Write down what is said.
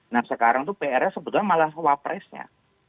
nah sekarang itu pr nya sebetulnya malah wapresnya